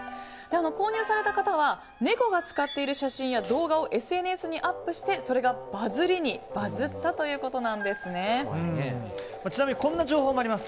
購入された方は猫が使っている写真や動画をＳＮＳにアップしてそれがバズりにバズったちなみにこんな情報もあります。